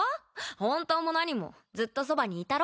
本当も何もずっとそばにいたろ？